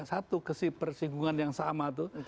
satu kesih persinggungan yang sama tuh